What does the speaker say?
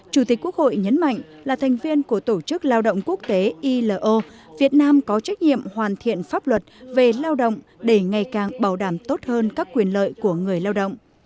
chủ tịch quốc hội nhấn mạnh là thành viên của tổ chức lao động quốc tế ilo việt nam có trách nhiệm hoàn thiện pháp luật về lao động để ngày càng bảo đảm tốt hơn các quyền lợi của người lao động